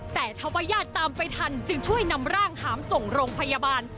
แต่ถ้าว่าญาติตามไปทันจึงช่วยนำร่างหามส่งโรงพยาบาล